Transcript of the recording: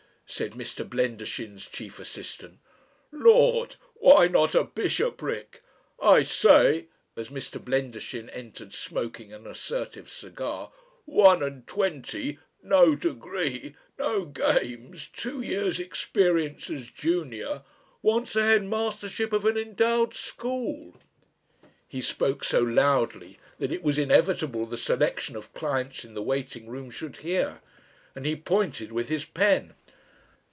said Mr. Blendershin's chief assistant "Lord! why not a bishopric? I say," as Mr. Blendershin entered smoking an assertive cigar "one and twenty, no degree, no games, two years' experience as junior wants a headmastership of an endowed school!" He spoke so loudly that it was inevitable the selection of clients in the waiting room should hear, and he pointed with his pen.